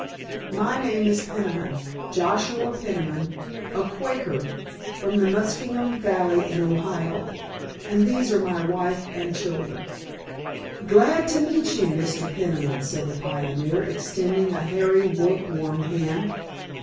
My name is Peniman—Joshua Peniman, a Quaker, from the Muskingum Valley in Ohio, and these are my wife and children." "Glad t' meet ye, Mr. Peniman," said the pioneer, extending a hairy, work worn hand.